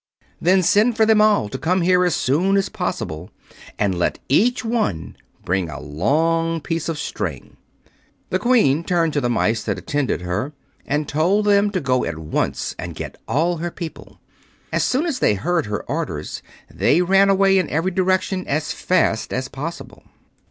"Then send for them all to come here as soon as possible, and let each one bring a long piece of string." The Queen turned to the mice that attended her and told them to go at once and get all her people. As soon as they heard her orders they ran away in every direction as fast as possible.